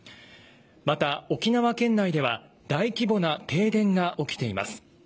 また沖縄県内では大規模な停電が起きています。